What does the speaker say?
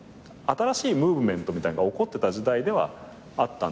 新しいムーブメントみたいなのが起こってた時代ではあったんです。